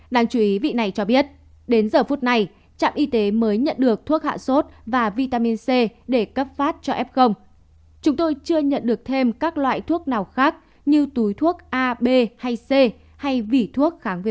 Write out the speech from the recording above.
đáng chú ý vị này cho biết đến giờ phút này trạm y tế mới nhận được thuốc hạ sốt và hướng dẫn người bệnh cách sử dụng